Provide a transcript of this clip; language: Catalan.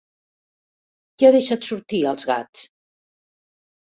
Qui ha deixat sortir als gats?